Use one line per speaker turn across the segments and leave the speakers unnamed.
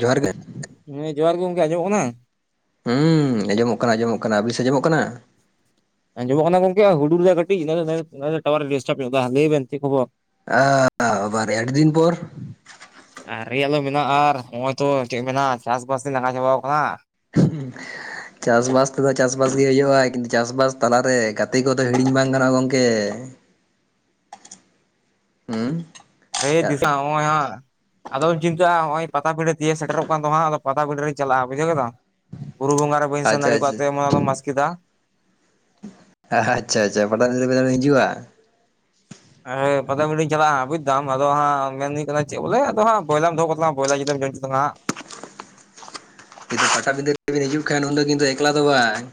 ᱡᱚᱦᱟᱨ ᱜᱮ
ᱦᱮᱸ ᱡᱚᱦᱟᱨ ᱜᱮ ᱜᱚᱝᱠᱮ ᱟᱸᱡᱚᱢᱚᱜ ᱠᱟᱱᱟ
ᱦᱩᱸ ᱟᱸᱡᱚᱢᱚᱜ ᱠᱟᱱᱟ ᱟᱸᱡᱚᱢᱚᱜ ᱠᱟᱱᱟ ᱟᱹᱵᱤᱱ ᱥᱮ ᱟᱸᱡᱚᱢᱚᱜ ᱠᱟᱱᱟ
ᱟᱸᱡᱚᱢᱚᱜ ᱠᱟᱱᱟ ᱜᱚᱝᱠᱮ ᱦᱩᱰᱩᱨ ᱨᱮ ᱫᱚ ᱠᱟᱹᱴᱤᱡ ᱴᱟᱣᱟᱨ ᱰᱟᱴ ᱞᱟᱹᱭ ᱵᱤᱱ ᱪᱮᱫ ᱠᱷᱚᱵᱚᱨ
ᱟ ᱟᱵᱟᱨ ᱟᱹᱰᱤ ᱫᱤᱱ ᱯᱚᱨ
ᱟᱨ ᱨᱮᱭᱟᱜᱞᱚ ᱢᱮᱱᱟᱜᱼᱟ ᱟᱨ ᱱᱚᱜᱼᱚᱭ ᱛᱚ ᱪᱮᱫ ᱢᱮ ᱪᱟᱥᱵᱟᱥ ᱞᱟᱸᱜᱟ ᱪᱟᱵᱟ ᱦᱟᱠᱟᱱᱟ [unintelligible]
ᱦᱩᱸ ᱪᱟᱥ ᱵᱟᱥ ᱛᱮᱫᱚ ᱪᱟᱥ ᱵᱟᱥ ᱜᱮ ᱦᱩᱭᱩᱜᱼᱟ ᱠᱤᱱᱛᱩ ᱪᱟᱥ ᱵᱟᱥ ᱛᱟᱞᱟᱨᱮ ᱜᱟᱛᱮ ᱠᱚᱫᱚ ᱦᱤᱲᱤᱧ ᱵᱟᱝ ᱜᱟᱱᱚᱜᱼᱟ ᱜᱚᱢᱠᱮ ᱦᱩᱸ
ᱦᱮᱸ
ᱟᱪᱪᱷᱟ
ᱫᱤᱥᱟᱣ ᱱᱚᱜ ᱦᱟᱸ ᱟᱫᱚᱢ ᱪᱤᱱᱛᱟᱹᱜᱼᱟ ᱱᱚᱜ ᱚᱭ ᱯᱟ ᱯᱤᱰᱟᱹᱤᱭᱮ ᱥᱮᱴᱮᱨᱚᱜ ᱠᱟᱱ ᱛᱚ ᱫᱚ ᱦᱟᱜ ᱟᱫᱚ ᱯᱟᱛᱥ ᱯᱤᱰᱟᱹᱨ ᱨᱮᱧ ᱪᱟᱞᱟᱜ ᱵᱩᱡᱟᱹᱣᱮᱫᱟ ᱵᱩᱨᱩ ᱵᱚᱸᱜᱟ ᱨᱮ ᱵᱟᱹᱧ ᱥᱮᱱ
ᱟᱪᱪᱷᱟ
ᱫᱟᱲᱮ ᱠᱚᱣᱟ ᱚᱱᱟᱞᱚᱢ ᱢᱥᱠᱟ
ᱟᱪ ᱪᱷᱟ ᱟᱪ ᱪᱷᱟ ᱯᱟᱴᱟᱜᱤᱧ ᱦᱤᱡᱩᱜᱼᱟ [unintelligible]
ᱦᱮᱸ ᱯᱟᱧ ᱪᱟᱞᱟᱜᱼᱟ ᱵᱩᱡ ᱮᱫᱟᱢ ᱟᱫᱚ ᱦᱟᱸᱜ ᱢᱮᱱᱧ ᱠᱟᱱᱟ ᱪᱮᱫ ᱵᱚᱞᱮ ᱟᱫᱚ ᱦᱟᱸ ᱵᱚᱭᱞᱟᱢ ᱫᱚᱦᱚ ᱛᱟ ᱵᱚᱭᱞᱟ ᱡᱩᱫᱤᱢᱚᱜ
ᱯᱟᱴᱟᱵᱤᱫᱟᱹ ᱨᱮᱵᱤᱱ ᱦᱤᱡᱩᱜ ᱠᱷᱟᱱ ᱩᱱᱫᱚ ᱠᱤᱱᱛᱩ ᱮᱠᱞᱟ ᱫᱚ ᱵᱟᱝ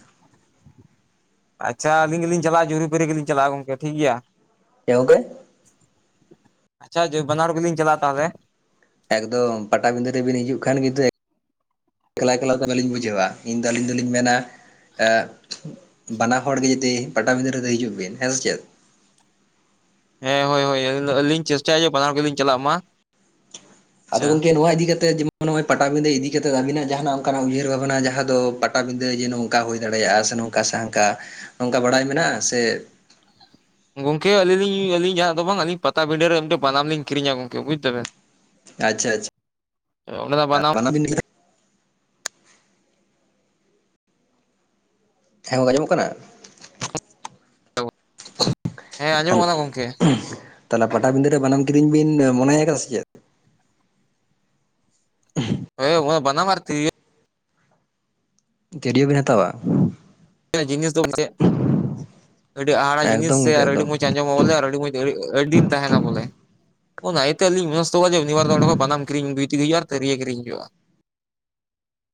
ᱟᱪ ᱪᱷᱟ ᱟᱞᱤᱧ ᱜᱮᱞᱤᱧ ᱪᱟᱞᱟᱜᱼᱟ ᱡᱩᱨᱤᱯᱩᱨᱤ ᱜᱮᱞᱤᱧ ᱪᱟᱞᱟᱜ ᱜᱚᱝᱠᱮ ᱴᱷᱤᱠ ᱜᱮᱭᱟ
ᱪᱮᱫ ᱜᱚᱝᱠᱮ [unintelligible]
ᱟᱪ ᱪᱷᱟ ᱡᱩ ᱵᱟᱱᱟᱨ ᱜᱮᱞᱤᱧ ᱪᱟᱞᱟᱜᱼᱟ ᱛᱟᱦᱚᱞᱮ
ᱮᱠᱫᱚᱢ ᱯᱟᱴᱟᱵᱤᱫᱟᱹ ᱨᱮᱵᱤᱱ ᱦᱤᱡᱩᱜ ᱠᱷᱟᱱ ᱠᱤᱱᱛᱩ ᱮᱠᱞᱟᱼᱮᱠᱮᱞᱟ ᱫᱚ ᱵᱟᱹᱞᱤᱧ ᱵᱩᱡᱷᱟᱹᱣᱟ ᱤᱧᱫᱚ ᱟᱹᱞᱤᱧ ᱫᱚᱞᱤᱧ ᱢᱮᱱᱟ ᱮᱜ ᱵᱟᱱᱟ ᱦᱚᱲ ᱜᱮ ᱡᱩᱫᱤ ᱯᱟᱴᱟᱵᱤᱸᱫᱟᱹ ᱨᱮᱫᱚ ᱦᱤᱡᱩᱜ ᱵᱤᱱ᱾ ᱦᱮᱸ ᱥᱮ ᱪᱮᱫ?
ᱦᱮᱸ, ᱦᱳᱭᱼᱦᱳᱭ ᱟᱹᱞᱤᱧ ᱫᱚ ᱟᱹᱞᱤᱧ ᱪᱮᱥᱴᱟᱭᱟ ᱡᱮ ᱵᱟᱱᱟᱨ ᱦᱚᱲ ᱜᱮᱞᱤᱧ ᱪᱟᱞᱟᱜ ᱢᱟ᱾
ᱟᱫᱚ
ᱟᱪᱪᱷᱟ
ᱜᱚᱝᱠᱮ ᱱᱚᱣᱟ ᱤᱫᱤ ᱠᱟᱛᱮ ᱱᱚᱜᱼᱚᱭ ᱯᱟᱴᱟᱵᱤᱫᱟᱹ ᱤᱫᱤ ᱠᱟᱛᱮᱫ ᱟᱵᱤᱱᱟᱜ ᱡᱟᱦᱟᱱᱟᱜ ᱚᱱᱠᱟᱱᱟᱜ ᱩᱭᱦᱟᱹᱨ ᱵᱷᱟᱵᱽᱱᱟ ᱡᱟᱦᱟᱸ ᱫᱚ ᱯᱟᱴᱟᱵᱤᱫᱟᱹ ᱡᱮ ᱱᱚᱝᱠᱟ ᱦᱩᱭ ᱫᱟᱲᱮᱭᱟᱜᱼᱟ ᱥᱮ ᱱᱚ ᱠᱟ ᱥᱮ ᱦᱟᱱᱠᱟ ᱱᱚᱝᱠᱟ ᱵᱟᱲᱟᱭ ᱢᱮᱱᱟᱜᱼᱟ, ᱥᱮ
ᱜᱚᱝᱠᱮ ᱟᱹᱞᱤᱧ ᱞᱤᱧ ᱩᱭ-ᱟᱹᱞᱤᱧ ᱡᱟᱦᱟᱸ ᱫᱚ ᱵᱟᱝ ᱟᱹᱞᱤᱧ ᱯᱟᱛᱟᱵᱤᱰᱟᱹ ᱨᱮ ᱢᱤᱴᱮ ᱵᱟᱱᱟᱢ ᱞᱤᱧ ᱠᱤᱨᱤᱧᱟ ᱜᱚᱝᱠᱮ ᱵᱩᱡ ᱫᱟᱵᱮᱱ᱾
ᱟᱪᱪᱷᱟ ᱟᱪᱪᱷ,
ᱚᱸᱰᱮ ᱫᱚ ᱵᱟᱱᱟᱢ
[inaudible] ᱦᱮᱸ ᱜᱚᱝᱠᱮ ᱟᱢᱚᱢᱚᱜ ᱠᱟᱱᱟ?
ᱦᱮᱸ ᱟᱸᱡᱚᱢᱚᱜ ᱠᱟᱱᱟ ᱜᱚᱝᱠᱮ
ᱛᱟᱞᱮᱫ ᱯᱟᱴᱟᱵᱤᱸᱫᱟᱹ ᱨᱮ ᱵᱟᱱᱟᱢ ᱠᱤᱫᱤᱧ ᱵᱤᱱ ᱢᱚᱱᱮᱭ ᱟᱠᱟᱫᱟ ᱥᱮ ᱪᱮᱫ?
ᱮ [inaudible] ᱵᱟᱱᱟᱢ ᱟᱨ ᱛᱤᱨ
ᱛᱤᱨᱭᱚ ᱵᱤᱱ ᱦᱟᱛᱟᱣᱟ
ᱡᱤᱱᱤᱥ ᱫᱚ ᱟᱹᱰᱤ ᱦᱟ ᱦᱟᱲᱟ ᱡᱤᱱᱤᱥ ᱥᱮ
ᱮᱠᱫᱚᱢ ᱜᱚᱝᱠᱮ
ᱟᱹᱰᱤ
ᱮᱠᱫᱚᱢ
ᱢᱚᱸᱡᱽ ᱟᱸᱡᱚᱢ ᱟ ᱵᱚᱞᱮ ᱟᱹᱰᱤ ᱢᱚᱸᱡᱽ ᱟᱹᱰᱤ ᱫᱤᱱ ᱛᱟᱦᱮᱱᱟ ᱵᱚᱞᱮᱛᱮ ᱟᱹᱞᱤᱧ ᱛᱚ ᱡᱮ ᱩᱱᱤ ᱵᱟᱨ ᱫᱚᱸᱰᱮ ᱠᱷᱚᱱ ᱵᱟᱱᱟᱢ ᱠᱤᱨᱤᱧ ᱦᱩᱭᱛᱮᱜᱮ ᱠᱮᱫᱜᱮ ᱟᱨ ᱛᱟᱹᱨᱤ ᱠᱤᱨᱤᱧ ᱦᱩᱭᱩᱜᱼᱟ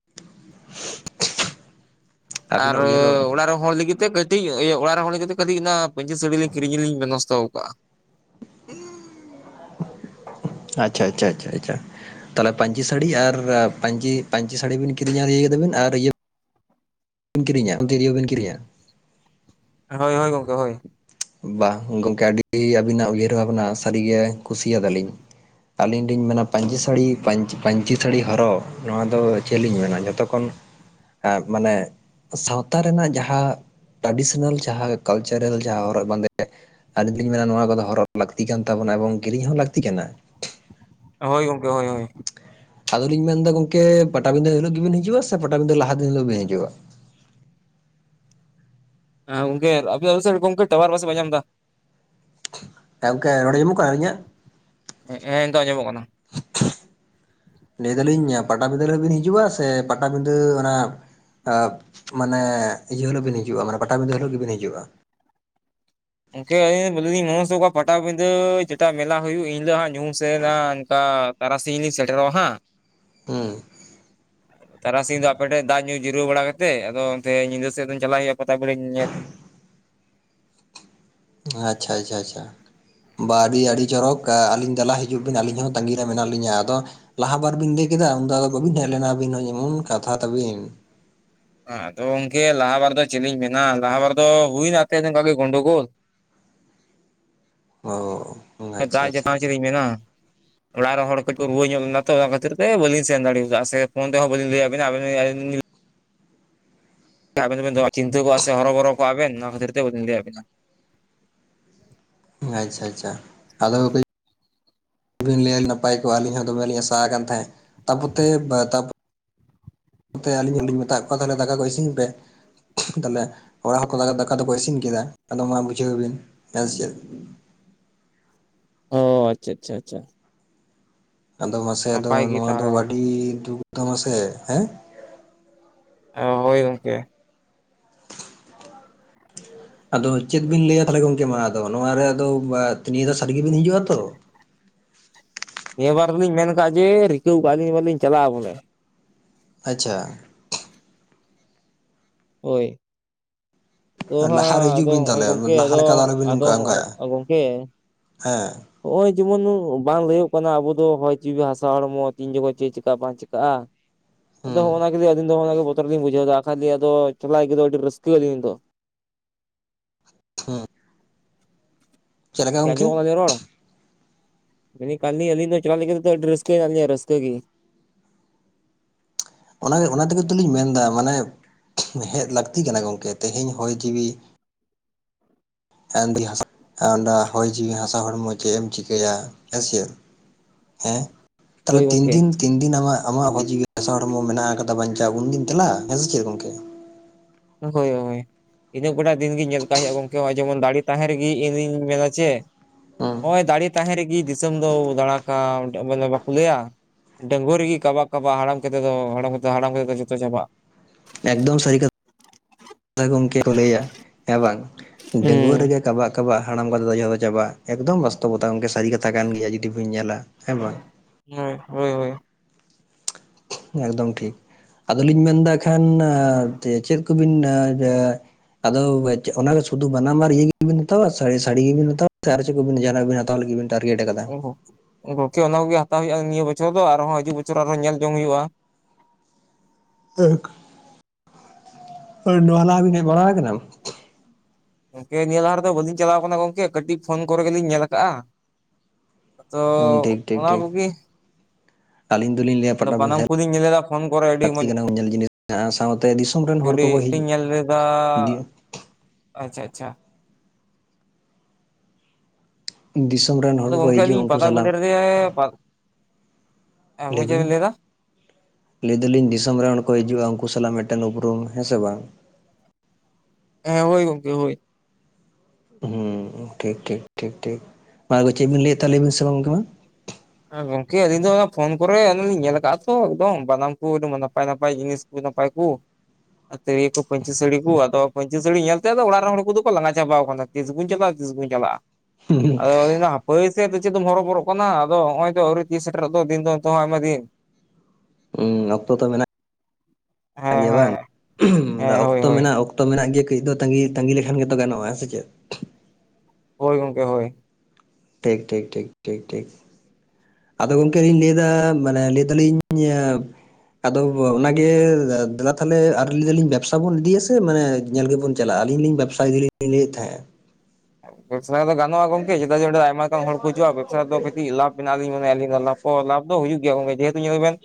[unintelligible]
ᱟᱨ
ᱟᱹᱵᱤᱱᱟᱜ ᱩᱭᱦᱟᱹᱨ ᱵᱷᱟᱵᱽᱱᱟ
ᱚᱲᱟᱜ ᱨᱮ ᱦᱚᱲ ᱞᱟᱹᱜᱤᱫᱜ ᱛᱮ ᱠᱟᱹᱴᱤᱡ ᱤᱭᱟᱹ ᱚᱲᱟᱜ ᱨᱮ ᱦᱚᱲᱤ ᱠᱟᱹᱴᱤᱡ ᱚᱱᱟ ᱯᱟᱹᱧᱪᱤ ᱥᱟᱹᱲᱤ ᱞᱤᱧ ᱠᱤᱨᱤᱧ ᱵᱮᱵᱚᱥᱛᱣ ᱟᱠᱟᱜᱼᱟ
ᱟᱪ ᱪᱷᱟ ᱟᱪ ᱪᱷᱟ ᱟᱪ ᱪᱷᱟ ᱟᱪ ᱪᱷᱟ ᱛᱟᱦᱚᱞᱮ ᱯᱟᱹᱧᱪᱤ ᱥᱟᱹᱲᱤ ᱟᱨ ᱯᱟᱹᱧᱪᱤ ᱯᱟᱹᱧᱪᱤ ᱥᱟᱹᱲᱤ ᱵᱤᱱ ᱠᱤᱨᱤᱧ ᱟ ᱠᱮᱫᱟᱵᱤᱱ ᱟᱨ ᱤᱭᱟᱹ ᱤᱱ ᱠᱤᱨᱧᱟ ᱩᱞ ᱫᱤᱨᱭ ᱵᱤᱱ ᱠᱤᱨᱤᱧᱟ
ᱦᱚᱭ ᱦᱚᱭ ᱜᱚᱝᱠᱮ ᱦᱚᱭ
ᱵᱟᱦᱽ, ᱜᱚᱝᱠᱮ ᱟᱹᱰᱤ ᱟᱹᱵᱤᱱᱟᱜ ᱩᱭᱦᱟᱹᱨ ᱵᱷᱟᱵᱽᱱᱟ ᱥᱟᱹᱨᱤ ᱜᱮ ᱠᱩᱥᱤᱭᱟᱫᱟ ᱞᱤᱧ᱾ ᱟᱹᱞᱤᱧ ᱞᱤᱧ ᱢᱮᱱᱟ ᱯᱟᱹᱧᱪᱤ ᱥᱟᱹᱲᱤ ᱯᱟᱹᱧᱪ-ᱯᱟᱹᱧᱪᱤ ᱥᱟᱹᱲᱤ ᱦᱚᱨᱚᱜ ᱱᱚᱣᱟ ᱫᱚ ᱪᱮᱜ ᱞᱤᱧ ᱢᱮᱱᱟ ᱡᱚᱛᱚ ᱠᱷᱚᱱ ᱠᱟᱫ ᱢᱟᱱᱮ ᱥᱟᱶᱛᱟ ᱨᱮᱱᱟᱜ ᱡᱟᱦᱟᱸ ᱴᱨᱟᱰᱤᱥᱚᱱᱟᱞ ᱡᱟᱦᱟᱸ ᱠᱟᱞᱪᱟᱨᱟᱞ ᱡᱟᱦᱟᱸ ᱦᱚᱨᱚᱜ ᱵᱟᱸᱫᱮ ᱟᱤᱧ ᱫᱚᱞᱤᱧ ᱢᱮᱱᱟ ᱱᱚᱣᱟ ᱠᱚᱫᱚ ᱦᱚᱨᱚᱜ ᱞᱟᱹᱠᱛᱤ ᱠᱟᱱ ᱛᱟᱵᱚᱱᱟ ᱮᱵᱚᱝ ᱠᱤᱨᱤᱧ ᱦᱚᱸ ᱞᱟᱹᱠᱛᱤ ᱠᱟᱱᱟ᱾
ᱦᱳᱭ ᱜᱚᱝᱠᱮ, ᱦᱳᱭᱼᱦᱳᱭ᱾
ᱟᱫᱚᱞᱤᱧ ᱢᱮᱱᱫᱟ ᱜᱚᱢᱠᱮ ᱯᱟᱴᱟ ᱵᱤᱫᱟᱹ ᱦᱤᱞᱚᱜ ᱜᱮᱵᱤᱱ ᱦᱤᱡᱩᱜᱼᱟ ᱥᱮ ᱯᱟᱴᱟᱵᱤᱫᱟᱹ ᱞᱟᱦᱟ ᱫᱤᱱ ᱦᱤᱞᱳᱜ ᱵᱤᱱ ᱦᱤᱡᱩᱜᱼᱟ᱾
ᱟᱸ ᱜᱚᱝᱠᱮ ᱟᱯᱮ ᱩᱥᱮᱨ ᱜᱚᱝᱠᱮ ᱴᱟᱣᱟᱨ ᱯᱟᱥᱮ ᱵᱟᱭ ᱧᱟᱢᱫᱟ᱾
ᱮ ᱚᱝᱠᱮ ᱨᱚᱲ [inaudible] ᱤᱧᱟᱹᱜ᱾
ᱮᱸᱼᱮᱸ ᱱᱤᱛᱚ ᱟᱸᱡᱚᱢᱚᱜ ᱠᱟᱱᱟ᱾
ᱞᱟᱹᱭ ᱫᱟᱞᱤᱧ ᱯᱟᱴᱟᱵᱤᱫᱟᱹ ᱨᱮ ᱵᱤᱱ ᱦᱤᱡᱩᱜᱼᱟ ᱥᱮ ᱯᱟᱴᱟᱵᱤᱫᱟᱹ ᱚᱱᱟ ᱮᱵ ᱢᱟᱱᱮ ᱤᱭᱟᱹ ᱦᱤᱞᱳᱜ ᱵᱤᱱ ᱦᱤᱡᱩᱜᱼᱟ ᱢᱟᱱᱮ ᱯᱟᱴᱟᱵᱤᱫᱟᱹ ᱦᱤᱞᱳᱜ ᱜᱮᱵᱤᱱ ᱦᱤᱡᱩᱜᱼᱟ᱾
[inaudible] ᱯᱟᱴᱟᱵᱤᱸᱫᱟᱹ ᱪᱮᱴᱟ ᱢᱮᱞᱟ ᱦᱩᱭᱩᱜ ᱤᱧ ᱫᱚ ᱦᱟᱸᱜ ᱧᱩᱦᱩᱢ ᱥᱮ ᱱᱟ ᱚᱱᱠᱟ ᱛᱟᱨᱟᱥᱤᱧ ᱞᱤᱧ ᱥᱮᱴᱮᱨᱚᱜᱼᱟ ᱦᱟᱸᱜ᱾
ᱦᱩᱸ᱾
ᱛᱟᱨᱟᱥᱤᱧ ᱫᱚ ᱟᱯᱮᱴᱷᱮ ᱫᱟᱜ ᱧᱩ ᱡᱤᱨᱟᱹᱣ ᱵᱟᱲᱟ ᱠᱟᱛᱮᱜ ᱟᱫᱚ ᱚᱱᱛᱮ ᱧᱤᱫᱟᱹ ᱥᱮᱫ ᱫᱚ ᱪᱟᱞᱟᱜ ᱦᱩᱭᱩᱜᱼᱟ ᱯᱟᱛᱟᱵᱤᱰᱟᱹ ᱧᱮᱼᱧᱮᱞ᱾
ᱟᱪᱪᱷᱟ ᱟᱪᱪᱷᱟ ᱟᱪᱪᱷᱟ᱾ ᱵᱟ ᱟᱹᱰᱤᱼᱟᱹᱰᱤ ᱪᱚᱨᱚᱠ ᱟ-ᱟᱹᱞᱤᱧ ᱫᱮᱞᱟ ᱦᱤᱡᱩᱜ ᱵᱤᱱ ᱟᱹᱞᱤᱧ ᱦᱚᱸ ᱛᱟᱹᱜᱤ ᱨᱮ ᱢᱮᱱᱟᱜ ᱞᱤᱧᱟᱹ ᱟᱫᱚ ᱞᱟᱦᱟ ᱵᱟᱨ ᱵᱤᱱ ᱞᱟᱹᱭ ᱠᱮᱫᱟ ᱩᱱᱫᱚ ᱟᱫᱚ ᱵᱟᱹᱵᱤᱱ ᱦᱮᱡ ᱞᱮᱱᱟ ᱟᱹᱵᱤᱱ ᱦᱚᱸ ᱡᱮᱢᱚᱱ ᱠᱟᱛᱷᱟ ᱛᱟᱹᱵᱤᱱ᱾
ᱮᱸ ᱟᱫᱚ ᱜᱚᱝᱠᱮ ᱞᱟᱦᱟ ᱵᱟᱨ ᱫᱚ ᱪᱮᱞᱤᱧ ᱢᱮᱱᱟ ᱞᱟᱦᱟ ᱵᱟᱨ ᱫᱚ ᱦᱩᱭᱱᱟ ᱟᱛᱮ ᱚᱝᱠᱮ ᱜᱮ ᱜᱚᱸᱰᱩᱜᱳᱞ᱾
ᱚ ᱦᱩᱸ
ᱫᱟᱜ
ᱟᱪᱪᱷᱟᱼᱟᱪᱪᱷᱟ᱾
ᱡᱟᱹᱯᱩᱫ ᱪᱮᱫ ᱤᱧ ᱢᱮᱱᱟ᱾ ᱚᱲᱟᱜ ᱨᱮ ᱦᱚᱲ ᱛᱚᱠᱩ ᱨᱩᱣᱟᱹ ᱧᱚᱜ ᱞᱮᱱᱟ ᱛᱚ ᱚᱱᱟ ᱠᱷᱟᱹᱛᱤᱨ ᱛᱮ ᱵᱟᱹᱞᱤᱧ ᱥᱮᱱ ᱫᱟᱲᱮᱣᱟᱫᱟ ᱥᱮ ᱯᱷᱚᱱ ᱛᱮᱦᱚᱸ ᱵᱟᱹᱞᱤᱧ ᱞᱟᱹᱭᱟᱜ ᱵᱮᱱᱟ᱾ [inaudible] ᱟᱵᱮᱱ ᱫᱚᱵᱮᱱ ᱫᱚᱦᱟ ᱪᱤᱱᱛᱟᱹ ᱠᱚᱣᱟ ᱥᱮ ᱦᱚᱨᱚᱵᱚᱨᱚ ᱠᱚ ᱟᱵᱮᱱ ᱱᱚᱣᱟ ᱠᱷᱟᱹᱛᱤᱨ ᱛᱮ ᱵᱟᱵᱤᱱ ᱞᱟᱹᱭᱟᱜ ᱵᱮᱱᱟ᱾
ᱟᱪᱪᱷᱟ ᱟᱪᱪᱷᱟ᱾ [inaudible] [inaudible] ᱱᱟᱯᱟᱭ ᱠᱚᱜᱼᱟ ᱟᱹᱞᱤᱧ ᱦᱚᱸ ᱫᱚᱢᱮ ᱞᱤᱧ ᱟᱥᱟ ᱠᱟᱱ ᱛᱟᱦᱮᱸ ᱛᱟᱯᱚᱛᱮ ᱛᱟᱯᱚ ᱜᱚᱝᱠᱮ ᱟᱹᱞᱤᱧᱟᱜ ᱞᱤᱧ ᱢᱮᱛᱟ ᱠᱚᱣᱟ ᱛᱟᱦᱞᱮ ᱫᱟᱠᱟ ᱠᱚ ᱤᱥᱤᱱ ᱯᱮ ᱛᱟᱦᱞᱮ ᱚᱲᱟᱜ ᱦᱚᱠᱚ ᱫᱟᱠᱟ ᱫᱚᱠᱚ ᱤᱥᱤᱱ ᱠᱮᱫᱟ ᱟᱫᱚ ᱢᱟ ᱵᱩᱡᱷᱟᱹᱣ ᱵᱤᱱ ᱦᱮ ᱪᱮᱫ
ᱚ ᱟᱪᱪᱷᱟ ᱟᱪᱪᱷᱟ ᱟᱪᱪᱷᱟ
ᱟᱫᱚ ᱢᱟᱥᱮ ᱟᱫᱚ
ᱱᱟᱯᱟᱭ ᱜᱮ
ᱱᱚᱣᱟ ᱫᱚ
ᱛᱟᱦᱚᱞᱮ
ᱟᱹᱰᱤ ᱫᱩᱠ ᱢᱟᱥᱮ ᱦᱮᱸ
ᱚ ᱦᱳᱭ ᱜᱚᱝᱠᱮ
ᱟᱫᱚ ᱪᱮᱫ ᱵᱤᱱ ᱞᱟᱹᱭᱟ ᱛᱮ ᱜᱚᱝᱠᱮ ᱢᱟ ᱟᱫᱚ ᱱᱚᱮ ᱟᱫᱚ ᱱᱤᱭᱟᱹ ᱫᱷᱟ ᱥᱟᱹᱨᱤ ᱜᱮᱵᱤᱱ ᱦᱤᱡᱩᱜ-ᱟ ᱛᱚ
ᱱᱤᱭᱟᱹ ᱵᱟᱨ ᱫᱚᱞᱤᱧ ᱢᱮᱱ ᱠᱟᱜ-ᱟ ᱡᱮ ᱨᱤᱠᱟᱹᱣ ᱠᱟᱜ ᱟᱹᱞᱤᱧ ᱞᱤᱧ ᱪᱟᱞᱟᱜ-ᱟ ᱵᱚᱞᱮ
ᱟᱪᱪᱷᱟ
ᱦᱳᱭ ᱟᱫᱚ
ᱞᱟᱦᱟᱨᱮ
ᱦᱟᱜ
ᱦᱤᱡᱩᱜ
ᱟᱫᱚ
ᱵᱤᱱ
ᱦᱚᱜ-ᱚᱭ
ᱛᱟᱦᱚᱞᱮ
ᱜᱚᱝᱠᱮ
ᱞᱟᱦᱟ
ᱟᱫᱚ
ᱞᱮᱠᱟ ᱫᱚ ᱟᱞᱚᱵᱤᱱ
ᱟᱫᱚ
ᱱᱚᱝᱠᱟ ᱚᱱᱠᱟᱜᱼᱟ
ᱦᱚᱜ-ᱚᱭ ᱜᱚᱝᱠᱮ
ᱦᱮᱸ
ᱱᱚᱜᱼᱚᱭ ᱡᱮᱢᱚᱱ ᱵᱟᱝ ᱞᱟᱹᱭᱚᱜ ᱠᱟᱱᱟ ᱟᱵᱚ ᱫᱚ ᱦᱚᱭ ᱡᱤᱣᱤ ᱦᱟᱥᱟ ᱦᱚᱲᱢᱚ ᱛᱤᱱ ᱡᱚᱠᱷᱚᱡ ᱪᱮᱫ ᱪᱮᱠᱟᱜ ᱵᱟᱝ ᱪᱮᱠᱟᱜᱼᱟ ᱟᱫᱚ
ᱦᱩᱸ
ᱦᱚᱸᱜᱼ ᱚᱱᱟ ᱠᱚᱜᱮ ᱟᱹᱞᱤᱧ ᱫᱚ ᱦᱚᱸᱜ-ᱚᱱᱟ ᱠᱚᱜᱮ ᱵᱚᱛᱚᱨ ᱞᱤᱧ ᱵᱩᱡᱷᱟᱹᱣ ᱮᱫᱟ ᱠᱷᱟᱹᱞᱤ ᱟᱫᱚ ᱪᱟᱞᱟᱜ ᱟᱹᱭᱠᱟᱹ ᱫᱚ ᱟᱹᱰᱤ ᱨᱟᱹᱥᱠᱟᱹ ᱟᱹᱞᱤᱧ ᱫᱚ
ᱦᱩᱸ
ᱜᱚᱝᱠᱮ ᱟᱸᱡᱚᱢᱚᱜ ᱠᱟᱱ ᱛᱤᱧᱟᱹ ᱨᱚᱲ [unintelligible] ᱟᱹᱰᱤ ᱨᱟᱹᱥᱠᱟᱹ ᱨᱟᱹᱥᱠᱟᱹ ᱜᱮ
ᱚᱱᱟ ᱚᱱᱟ ᱛᱮᱜᱮ ᱛᱚᱞᱤᱧ ᱢᱮᱱᱫᱟ ᱢᱟᱱᱮ ᱦᱮᱡ ᱞᱟᱹᱠᱛᱤ ᱠᱟᱱᱟ ᱜᱚᱢᱠᱮ ᱛᱮᱦᱮᱧ ᱦᱚᱭ ᱡᱤᱣᱤ [unintelligible] ᱦᱚᱭ ᱡᱤᱣᱤ ᱦᱟᱥᱟ ᱦᱚᱲᱢᱚ ᱪᱮᱫ ᱮᱢ ᱪᱤᱠᱟᱹᱭᱟ ᱦᱮᱸᱥᱮ ᱦᱮᱸ ᱛᱟᱞᱦᱮ
ᱦᱳᱭ
ᱛᱤᱱ
ᱜᱚᱝᱠᱮ
ᱫᱤᱱ ᱛᱤᱱ ᱫᱤᱱ ᱟᱢᱟᱜ ᱟᱢᱟᱜ ᱦᱚᱭ ᱡᱤᱣᱤ ᱦᱟᱥᱟ ᱦᱚᱲᱢᱚ ᱢᱮᱱᱟᱜ ᱟᱠᱟᱫᱟ ᱵᱟᱧᱪᱟᱣ ᱩᱱᱫᱤᱱ ᱫᱮᱞᱟ ᱦᱮᱸ ᱥᱮ ᱪᱮᱫ ᱜᱚᱝᱠᱮ
ᱦᱳᱭ ᱦᱳᱭ ᱤᱱᱟᱹᱜ ᱜᱚᱴᱟ ᱫᱤᱱ ᱜᱮᱧ ᱧᱮᱞ ᱠᱟᱜ ᱦᱩᱭᱩᱜᱼᱟ ᱜᱚᱝᱠᱮᱜᱼᱚᱭ ᱡᱮᱢᱚᱱ ᱫᱟᱲᱮ ᱛᱟᱦᱮᱸ ᱨᱮᱜᱮ ᱤᱧᱤᱧ ᱢᱮᱱᱟ ᱪᱮ
ᱦᱩᱸ
ᱦᱳᱭ ᱫᱟᱲᱮ ᱛᱟᱦᱮᱸ ᱨᱮᱜᱮ ᱫᱤᱥᱚᱢ ᱫᱚ ᱫᱟᱬᱟ ᱠᱟᱜ ᱢᱮᱫᱴᱮᱡ ᱵᱚᱞᱮ ᱵᱟᱠᱚ ᱞᱟᱹᱭᱟ ᱰᱟᱺᱜᱽᱣᱟᱹ ᱨᱮᱜᱮ ᱠᱟᱵᱟᱜ ᱠᱟᱵᱟᱜ ᱦᱟᱲᱟᱢ ᱠᱟᱛᱮᱫ ᱫᱚ ᱦᱟᱲ ᱦᱟᱲᱟᱢ ᱠᱟᱛᱮᱫ ᱡᱚᱛᱚ ᱪᱟᱵᱟᱜ
ᱮᱠᱫᱚᱢ ᱥᱟᱹᱨᱤ ᱠᱟᱛᱷᱟ ᱜᱚᱝᱠᱮ ᱠᱚ ᱞᱟᱹᱭᱟ ᱮᱵᱚᱝ ᱰᱟᱺᱜᱽᱣᱟᱹ ᱨᱮᱜᱮ ᱠᱟᱵᱟᱜ ᱠᱟᱵᱟᱜ ᱦᱟᱲᱟᱢ ᱠᱟᱛᱮ ᱫᱚ ᱡᱚᱛᱚ ᱪᱟᱵᱟᱜ ᱮᱠᱫᱚᱢ ᱵᱟᱥᱛᱚᱵᱚᱛᱟ ᱥᱟᱹᱨᱤ ᱠᱟᱛᱷᱟ ᱠᱟᱱ ᱜᱮᱭᱟ ᱡᱩᱫᱤ ᱵᱮᱱ ᱧᱮᱞᱟ ᱦᱮᱸ ᱵᱟᱝ
ᱦᱮᱸ ᱦᱳᱭ ᱦᱳᱭ
ᱮᱠᱫᱚᱢ ᱴᱷᱤᱠ ᱟᱫᱚᱞᱤᱧ ᱢᱮᱱᱫᱟ ᱦᱟᱸᱜ ᱠᱷᱟᱱ ᱪᱮᱫ ᱠᱚᱵᱤᱱ ᱤᱭᱟᱹ ᱟᱫᱚ ᱠᱚ [unintelligible] ᱚᱱᱟ ᱫᱚ ᱥᱩᱫᱩ ᱵᱟᱱᱟᱢ ᱟᱨ ᱤᱭᱟᱹ ᱜᱮᱵᱤᱱ ᱦᱟᱛᱟᱣᱟ ᱥᱮ ᱥᱟᱹᱲᱤ ᱜᱮᱵᱤᱱ ᱦᱟᱛᱟᱣᱟ ᱥᱮ ᱟᱨ ᱪᱮᱫ ᱠᱚᱵᱤᱱ ᱡᱟᱦᱟᱱᱟᱜ ᱦᱟᱛᱟᱣ ᱞᱟᱹᱜᱤᱫ ᱵᱤᱱ ᱴᱟᱨᱜᱮᱴ ᱟᱠᱟᱫᱟ
ᱜᱚᱝᱠᱮ ᱚᱱᱟ ᱠᱚᱜᱮ ᱦᱟᱛᱟᱣ ᱦᱩᱭᱩᱜᱼᱟ ᱱᱤᱭᱟᱹ ᱵᱚᱪᱷᱚᱨ ᱟᱨᱦᱚᱸ ᱦᱤᱡᱩᱜ ᱵᱚᱪᱷᱚᱨ ᱟᱨᱦᱚᱸ ᱧᱮᱞ ᱡᱚᱝ ᱦᱩᱭᱩᱜᱼᱟ
[unintelligible] ᱱᱚᱣᱟ ᱞᱟᱦᱟ ᱵᱮᱱ ᱦᱮᱡ ᱵᱟᱲᱟ ᱟᱠᱟᱱᱟ?
ᱜᱚᱝᱠᱮ ᱱᱤᱭᱟᱹ ᱞᱟᱦᱟ ᱨᱮᱫᱚ ᱵᱟᱹᱞᱤᱧ ᱪᱟᱞᱟᱣ ᱟᱠᱟᱱᱟ ᱜᱚᱝᱠᱮ ᱠᱟᱹᱴᱤᱡ ᱯᱷᱳᱱ ᱠᱚᱨᱮ ᱜᱮᱞᱤᱧ ᱧᱮᱞ ᱠᱟᱜᱼᱟ ᱫᱚ
ᱴᱷᱤᱠ ᱴᱷᱤᱠ
ᱚᱱᱟ
ᱴᱷᱤᱠ
ᱠᱚᱜᱮ
ᱟᱹᱞᱤᱧ ᱫᱚᱞᱤᱧ ᱞᱟᱹᱭᱟ
ᱵᱟᱱᱟᱢ
ᱯᱟᱴᱟᱵᱤᱫᱷᱟᱹ
ᱠᱚᱞᱤᱧ ᱧᱮᱞ ᱮᱫᱟ ᱯᱷᱳᱱ ᱠᱚᱨᱮ ᱟᱹᱰᱤ
ᱞᱟᱹᱠᱛᱤ
ᱢᱚᱸᱡᱽ
ᱠᱟᱱᱟ ᱧᱮᱞ ᱡᱤᱱᱤᱥ ᱥᱟᱶᱛᱮ ᱫᱤᱥᱚᱢ ᱨᱮᱱ ᱦᱚᱲ ᱠᱚᱠᱚ
[unintelligible]
ᱦᱤᱡᱩᱜ
ᱧᱮᱞ ᱞᱮᱫᱟ ᱟᱪᱪᱷᱟ ᱟᱪᱪᱷᱟ
ᱫᱤᱥᱚᱢ ᱨᱮᱱ ᱦᱚᱲ
ᱟᱫᱚ
ᱠᱚᱠᱚ
ᱜᱚᱝᱠᱮ
ᱦᱤᱡᱩᱜᱼᱟ
ᱟᱞᱤᱧ
ᱩᱱᱠᱩ ᱥᱟᱞᱟᱜ
ᱯᱟᱛᱟᱵᱤᱸᱫᱷᱟᱹ ᱨᱮ
ᱞᱟᱹᱭ
ᱦᱮᱸ ᱪᱮᱫ
ᱵᱤᱱ
ᱵᱮᱱ ᱮᱫᱟ
ᱞᱟᱹᱭ ᱫᱟᱞᱤᱧ ᱫᱤᱥᱚᱢ ᱨᱮᱱ ᱦᱚᱲ ᱠᱚ ᱦᱤᱡᱩᱜᱼᱟ ᱩᱝᱠᱩ ᱥᱟᱞᱟᱜ ᱢᱤᱫᱴᱮᱱ ᱩᱯᱨᱩᱢ ᱦᱮᱸ ᱥᱮ ᱵᱟᱝ
ᱦᱮᱸ ᱦᱳᱭ ᱜᱚᱝᱠᱮ ᱦᱳᱭ
ᱦᱩᱸ ᱴᱷᱤᱠ ᱴᱷᱤᱠ ᱴᱷᱤᱠ ᱴᱷᱤᱠ ᱢᱟ ᱪᱮᱫ ᱵᱤᱱ ᱞᱟᱹᱭᱮᱫ ᱛᱟᱦᱮᱸᱫ ᱞᱟᱹᱭ ᱵᱤᱱ ᱥᱮ ᱜᱚᱝᱠᱮ ᱢᱟ
ᱟᱨ ᱜᱚᱝᱠᱮ ᱟᱹᱞᱤᱧ ᱫᱚ ᱚᱱᱟ ᱯᱷᱳᱱ ᱠᱚᱨᱮ ᱟᱞᱤᱧ ᱧᱮᱞ ᱟᱠᱟᱜᱼᱟ ᱛᱚ ᱮᱠᱫᱚᱢ ᱵᱟᱱᱟᱢ ᱠᱚ ᱱᱟᱯᱟᱭ ᱱᱟᱯᱟᱭ ᱡᱤᱱᱤᱥ ᱟᱹᱰᱤ ᱱᱟᱯᱟᱭ ᱠᱚ ᱟᱹᱛᱟᱹᱭ ᱠᱚ ᱯᱟᱹᱧᱪᱤ ᱥᱟᱹᱲᱤ ᱠᱚ ᱟᱫᱚ ᱯᱟᱹᱧᱪᱤ ᱥᱟᱹᱲᱤ ᱧᱮᱞᱛᱮ ᱚᱲᱟᱜ ᱨᱮᱱ ᱦᱚᱲᱠᱩ ᱫᱚᱠᱚ ᱞᱟᱸᱜᱟ ᱪᱟᱵᱟᱣ ᱠᱟᱱᱟ ᱛᱤᱥ ᱵᱚᱱ ᱪᱟᱞᱟᱜ-ᱟ ᱛᱤᱥ ᱵᱚᱱ ᱪᱟᱞᱟᱜ-ᱟ ᱟᱫᱚ ᱦᱟᱯᱳᱭ ᱥᱮ ᱟᱫᱚ ᱪᱮᱫ ᱫᱚᱢ ᱦᱚᱨᱚᱵᱚᱨᱚᱜ ᱠᱟᱱᱟ ᱟᱫᱚ ᱱᱚᱜ-ᱚᱭ ᱛᱚ ᱟᱹᱣᱨᱤ ᱛᱤᱥ ᱥᱮᱴᱮᱨᱚᱜ ᱫᱚ ᱫᱤᱱ ᱫᱚ ᱱᱤᱛ ᱦᱚᱸ ᱟᱭᱢᱟ ᱫᱤᱱ
ᱚᱠᱛᱚ ᱛᱚ ᱢᱮᱱᱟᱜ
ᱦᱮᱸ
ᱜᱮᱭᱟ ᱵᱟᱝ
ᱦᱮᱸ ᱦᱮᱸ
[unintelligible]
ᱦᱳᱭ
ᱚᱠᱛᱚ
ᱦᱳᱭ
ᱢᱮᱱᱟᱜᱼᱟ ᱚᱠᱛᱚ ᱚᱠᱛᱚ ᱢᱮᱱᱟᱜ ᱜᱮᱭᱟ ᱠᱟᱹᱡ ᱫᱚ ᱛᱟᱸᱜᱤ ᱛᱟᱸᱜᱤ ᱞᱮᱠᱷᱟᱱ ᱜᱮᱛᱚ ᱜᱟᱱᱚᱜᱼᱟ ᱦᱮᱸ ᱥᱮ ᱪᱮᱫ
ᱦᱳᱭ ᱜᱚᱝᱠᱮ ᱦᱳᱭ
ᱴᱷᱤᱠ ᱴᱷᱤᱠ ᱴᱷᱤᱠ ᱴᱷᱤᱠ ᱴᱷᱤᱠ ᱟᱫᱚ ᱜᱚᱢᱠᱮ ᱞᱤᱧ ᱞᱟᱹᱭᱫᱟ ᱢᱟᱱᱮ ᱞᱟᱹᱭ ᱫᱟᱞᱤᱧ ᱟᱫᱚ ᱚᱱᱟᱜᱮ ᱫᱮᱞᱟ ᱛᱟᱞᱦᱮ ᱟᱨ ᱞᱟᱹᱭ ᱫᱟᱞᱤᱧ ᱵᱮᱵᱥᱟ ᱵᱚᱱ ᱤᱫᱤᱭᱟ ᱥᱮ ᱢᱟᱱᱮ ᱧᱮᱞ ᱜᱮᱵᱚᱱ ᱪᱟᱞᱟᱜ-ᱟᱹᱞᱤᱧ ᱞᱤᱧ ᱵᱮᱵᱽᱥᱟ ᱜᱮᱞᱤᱧ ᱞᱟᱹᱭᱮᱫ ᱛᱟᱦᱮᱸᱜ-ᱟ
ᱵᱮᱵᱽᱥᱟ ᱫᱚ ᱜᱟᱱᱚᱜᱼᱟ ᱜᱚᱝᱠᱮ ᱪᱮᱫᱟᱜ ᱡᱮ ᱟᱭᱢᱟ ᱜᱟᱱ ᱦᱚᱲ ᱠᱚ ᱦᱤᱡᱩᱜᱼᱟ ᱵᱮᱵᱽᱥᱟ ᱨᱮ ᱫᱚ ᱠᱟᱹᱴᱤᱡ ᱞᱟᱵᱷ ᱚᱱᱟ ᱜᱮᱞᱤᱧ ᱢᱮᱱᱫᱟ ᱟᱞᱤᱧ ᱫᱚ [unintelligible] ᱞᱟᱵᱷ ᱫᱚ ᱦᱩᱭᱩᱜ ᱜᱮᱭᱟ ᱜᱚᱝᱠᱮ ᱡᱮᱦᱮᱛᱩ ᱧᱮᱞ ᱵᱮᱱ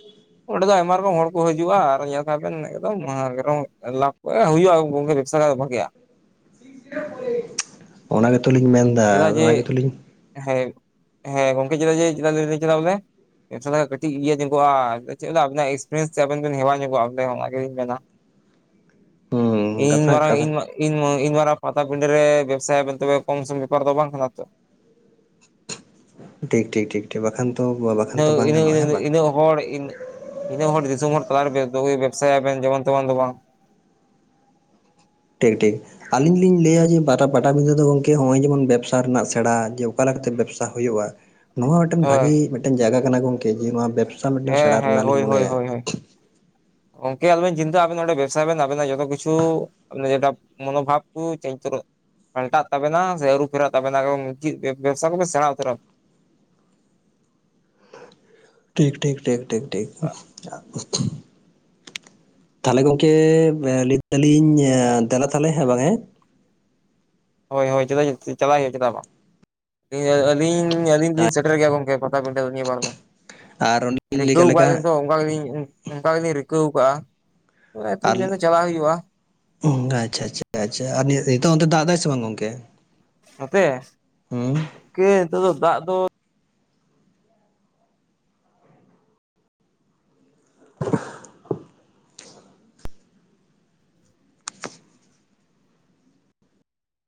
ᱚᱸᱰᱮ ᱫᱚ ᱟᱭᱢᱟ ᱨᱚᱠᱚᱢ ᱦᱚᱲ ᱠᱚ ᱦᱤᱡᱩᱜᱼᱟ ᱟᱨ ᱧᱮᱞ ᱠᱟᱜ ᱵᱮᱱ ᱮᱠᱫᱚᱢ ᱞᱟᱵᱷ ᱳᱭ ᱦᱩᱭᱩᱜᱼᱟ ᱜᱚᱢᱠᱮ ᱵᱮᱵᱽᱥᱟ ᱠᱷᱟᱡ ᱵᱷᱟᱜᱮᱭᱟ
[unintelligible] ᱚᱱᱟ ᱜᱮᱛᱚᱞᱧ ᱢᱮᱱ ᱮᱫᱟ᱾
ᱪᱮᱫᱟᱜ ᱡᱮ ᱦᱮᱸ ᱦᱮᱸ ᱜᱚᱝᱠᱮ ᱪᱮᱫᱟᱜ ᱡᱮ ᱡᱟᱹᱭ ᱪᱟᱞᱟᱜ ᱢᱮ ᱠᱟᱹᱴᱤᱡ ᱤᱭᱟᱹ ᱧᱚᱜᱼᱟ ᱪᱮᱫ ᱟᱵᱤᱱᱟᱜ ᱮᱠᱥᱯᱨᱤᱭᱮᱱᱥ ᱛᱮ ᱟᱵᱮᱱ ᱵᱮ ᱦᱮᱣᱟ ᱧᱚᱜᱚᱜᱼᱟ ᱚ ᱜᱮᱞᱤᱧ ᱢᱮᱱᱟ᱾
ᱦᱩᱸ
ᱤᱧ
ᱠᱟᱛᱷᱟ
ᱢᱟᱨᱟᱝ
ᱠᱟᱛᱷᱟ
ᱤᱧ᱾ ᱤᱧ ᱤᱧ ᱢᱟᱨᱟᱝ ᱯᱟᱛᱟ ᱵᱤᱸᱰᱟᱹ ᱨᱮ ᱵᱮᱵᱥᱟᱭᱟ ᱢᱮᱱᱛᱮ ᱠᱚᱢᱥᱚᱢ ᱵᱮᱯᱟᱨ ᱫᱚ ᱵᱟᱝ ᱠᱟᱱᱟ ᱛᱚ
ᱴᱷᱤᱠ ᱴᱷᱤᱠ ᱴᱷᱤᱠ ᱴᱷᱤᱠ ᱵᱟᱠᱷᱟᱱ ᱛᱚ ᱵᱟᱠᱷᱟᱱ
ᱤᱱᱟᱹ
ᱛᱚ ᱵᱟᱝ
ᱤᱱᱟᱹ
ᱜᱟᱱᱚᱜᱼᱟ
ᱤᱱᱟᱹ
ᱦᱮᱸ ᱵᱟᱝ
ᱤᱱᱟᱹᱜ ᱦᱚᱲ ᱤᱱᱟᱹ ᱦᱚᱲ ᱫᱤᱥᱚᱢ ᱦᱚᱲ ᱛᱟᱞᱟᱨᱮ ᱵᱮᱵᱽᱥᱟᱭᱟᱵᱮᱱ ᱡᱮᱢᱚᱱ ᱛᱮᱢᱚᱱ ᱫᱚ ᱵᱟᱝ
ᱴᱷᱤᱠ ᱴᱷᱤᱠ᱾ ᱟᱹᱞᱤᱧ ᱞᱤᱧ ᱞᱟᱹᱭᱟ ᱡᱮ ᱯᱟᱴᱟᱵᱤᱸᱫᱟᱹ ᱫᱚ ᱜᱚᱢᱠᱮ ᱦᱚᱸᱜᱼᱚᱭ ᱡᱮᱢᱚᱱ ᱵᱮᱵᱽᱥᱟ ᱨᱮᱱᱟᱜ ᱥᱮᱬᱟ ᱡᱮ ᱚᱠᱟ ᱞᱮᱠᱟᱛᱮ ᱵᱮᱵᱽᱥᱟ᱾ ᱦᱩᱭᱩᱜᱼᱟ ᱱᱚᱣᱟ ᱢᱤᱫᱴᱮᱱ
ᱦᱳᱭ
ᱵᱷᱟᱜᱤ ᱢᱤᱫᱴᱮᱱ ᱡᱟᱭᱜᱟ ᱠᱟᱱᱟ ᱜᱚᱝᱠᱮ ᱡᱮ ᱱᱚᱣᱟ ᱵᱮᱵᱽᱥᱟ ᱢᱤᱫᱴᱮᱱ
ᱦᱮᱸ
ᱥᱮᱬᱟ ᱨᱮᱱᱟᱜ ᱞᱤᱧ ᱢᱚᱱᱮᱭᱟ᱾
ᱜᱚᱢᱠᱮ ᱟᱞᱚᱵᱮᱱ ᱪᱤᱱᱛᱟᱹᱜᱼᱟ ᱟᱵᱮᱱ ᱚᱸᱰᱮ ᱵᱮᱵᱽᱥᱟᱭ ᱵᱮᱱ ᱟᱵᱮᱱᱟᱜ ᱡᱦᱚᱛᱚ ᱠᱤᱪᱷᱩ ᱮ ᱡᱟ ᱢᱚᱱᱳ ᱵᱷᱟᱵ ᱠᱚ ᱪᱮᱡ ᱩᱛᱟᱨᱚ ᱯᱟᱞᱴᱟᱜ ᱛᱟᱵᱮᱱᱟ ᱥᱮ ᱟᱹᱨᱩ ᱯᱷᱮᱨᱟᱜ ᱛᱟᱵᱮᱱᱟ ᱵᱮᱵᱥᱟ ᱠᱚᱯᱮ ᱥᱮᱬᱟ ᱩᱛᱟᱹᱨᱟ
ᱴᱷᱤᱠ ᱴᱷᱤᱠ ᱴᱷᱤᱠ ᱴᱷᱤᱠ ᱴᱷᱤᱠ ᱛᱟᱦᱚᱞᱮ ᱜᱚᱝᱠᱮ ᱞᱟᱹᱭ ᱫᱟᱞᱤᱧ ᱫᱮᱞᱟ ᱛᱟᱦᱚᱞᱮ ᱦᱮᱸ ᱵᱟᱝ ᱦᱮᱸ᱾
ᱦᱳᱭ ᱦᱳᱭ ᱪᱮᱫᱟᱜ ᱪᱟᱞᱟᱜ ᱦᱩᱭᱩᱜᱼᱟ ᱪᱮᱫᱟᱜ ᱵᱟᱝ ᱟᱹᱞᱤᱧ ᱟᱹᱞᱤᱧ ᱫᱚᱞᱤᱧ ᱥᱮᱴᱮᱨ ᱜᱮᱭᱟ ᱜᱚᱝᱠᱮ ᱴᱤᱭᱟᱹ
ᱟᱨ ᱚᱸᱰᱮᱞᱤᱧ ᱞᱟᱹᱭ ᱠᱮᱫ ᱞᱮᱠᱟ
ᱵᱟᱤᱱ [unintelligible] ᱚᱱᱠᱟ ᱜᱮᱞᱤᱧ ᱚᱱᱠᱟ ᱜᱮᱞᱤᱧ ᱨᱤᱠᱟᱹᱣ ᱟᱠᱟᱫᱼᱟ ᱚᱱᱟᱛᱮ
ᱟᱨ
ᱞᱤᱧ ᱢᱮᱱᱫᱟ ᱪᱟᱞᱟᱜ ᱦᱩᱭᱩᱜᱼᱟ
ᱟᱪᱪᱷᱟ ᱟᱪᱪᱷᱟ ᱟᱪᱷᱟ ᱟᱨ ᱱᱤᱛᱚᱜ ᱚᱱᱛᱮ ᱫᱟᱜ ᱫᱟᱭ ᱥᱮ ᱵᱟᱝ ᱜᱚᱝᱠᱮ ᱦᱩᱸ
[unintelligible] ᱱᱤᱛᱚᱜ ᱫᱚ ᱫᱟᱜ ᱫᱚ
[unintelligible]